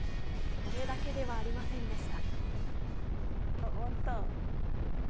それだけではありませんでした。